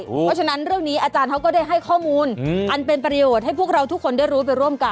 เพราะฉะนั้นเรื่องนี้อาจารย์เขาก็ได้ให้ข้อมูลอันเป็นประโยชน์ให้พวกเราทุกคนได้รู้ไปร่วมกัน